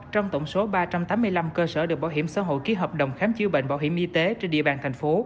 trong tổng số ba trăm tám mươi năm cơ sở được bảo hiểm xã hội ký hợp đồng khám chữa bệnh bảo hiểm y tế trên địa bàn thành phố